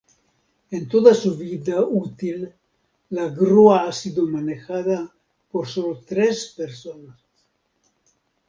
En toda su vida útil la grúa ha sido manejada por solo tres persona.